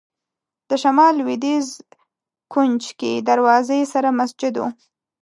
د شمال لوېدیځ کونج کې دروازې سره مسجد و.